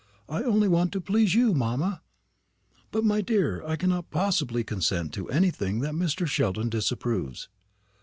I only want to please you, mamma." "But, my dear, I cannot possibly consent to anything that Mr. Sheldon disapproves."